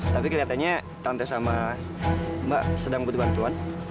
tapi kelihatannya tante sama mbak sedang butuh bantuan